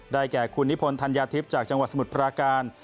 แก่คุณนิพนธัญญาทิพย์จากจังหวัดสมุทรปราการ